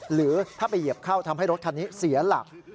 หรือถ้าไปเหยียบเข้าทำให้รถคันนี้เสียหลัก